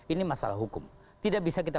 ini masalah hukum tidak bisa kita